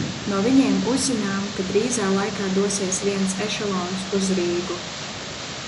No viņiem uzzinām, ka drīzā laikā dosies viens ešelons uz Rīgu.